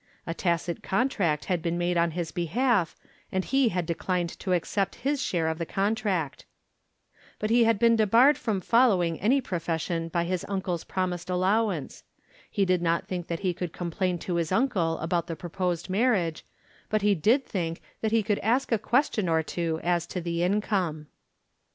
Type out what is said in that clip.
A tacit contract had been made on his behalf, and he had declined to accept his share of the contract. But he had been debarred from following any profession by his uncle's promised allowance. He did not think that he could complain to his uncle about the proposed marriage; but he did think that he could ask a question or two as to the income.